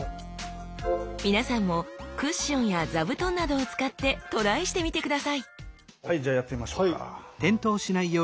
皆さんもクッションや座布団などを使ってトライしてみて下さいはいじゃあやってみましょうか。